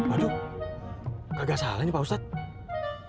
aduh agak salah nih pak ustadz